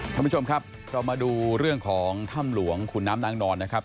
ท่านผู้ชมครับเรามาดูเรื่องของถ้ำหลวงขุนน้ำนางนอนนะครับ